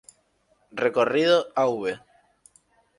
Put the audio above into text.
Recorrido: Av.